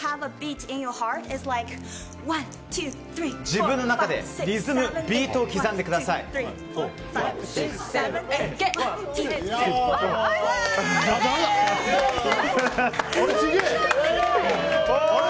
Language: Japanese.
自分の中でリズム、ビートを刻んでください。あれ？